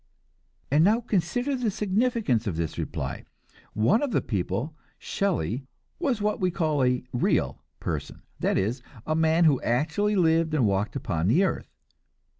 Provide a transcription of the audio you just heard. And now consider the significance of this reply. One of these people, Shelley, was what we call a "real" person; that is, a man who actually lived and walked upon the earth.